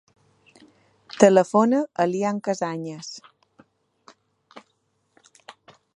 Telefona a l'Ian Casañas.